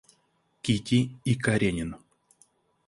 Кити и Каренин.